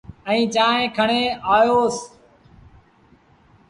ائيٚݩ چآنه کڻي آيوس